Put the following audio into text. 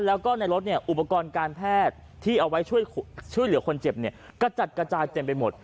แล้วก็ในรถเนี่ยอุปกรณ์การแพทย์ที่เอาไว้ช่วยเหลือคนเจ็บเนี่ยกระจัดกระจายเต็มไปหมด